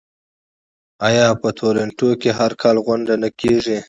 آیا په تورنټو کې هر کال غونډه نه کیږي؟